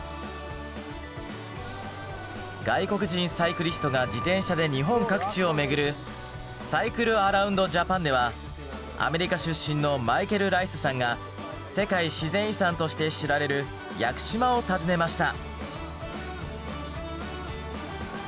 外国人サイクリストが自転車で日本各地を巡るアメリカ出身のマイケル・ライスさんが世界自然遺産として知られる屋久島を訪ねました。